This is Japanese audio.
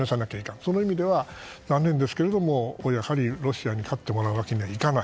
そういう意味では、残念ですがロシアに勝ってもらうわけにはいかない。